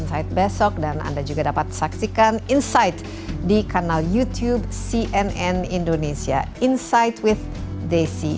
insight besok dan anda juga dapat saksikan insight di kanal youtube cnn indonesia insight with desi